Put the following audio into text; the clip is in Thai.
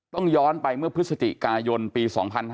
ต้องย้อนไปเมื่อพฤศจิกายนปี๒๕๕๙